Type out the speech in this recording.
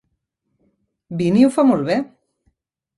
Vinnie ho fa molt bé!